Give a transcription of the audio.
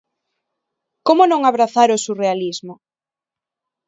Como non abrazar o surrealismo?